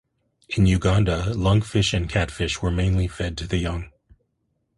In Uganda, lungfish and catfish were mainly fed to the young.